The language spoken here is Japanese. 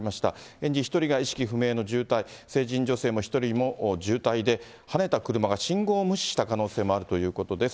園児１人が意識不明の重体、成人女性１人も重体で、はねた車が信号無視した可能性もあるということです。